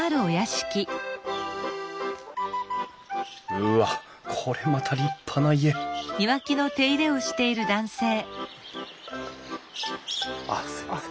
うわっこれまた立派な家あっすみません。